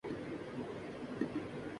اس میں خاص طور پر پانی پر بھی کچھ کمی ہے